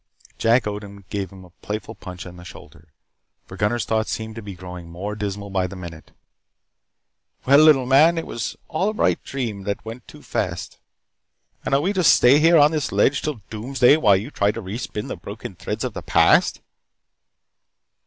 Jack Odin gave him a playful punch on the shoulder, for Gunnar's thoughts seemed to be growing more dismal by the minute. "Well, little man, it was all a bright dream that went too fast. And are we to stay here on this ledge 'til doomsday while you try to re spin the broken threads of the past?"